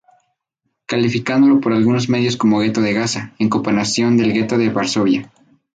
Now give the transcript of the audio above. Calificándolo por algunos medios como ghetto de Gaza, en comparación del Ghetto de Varsovia.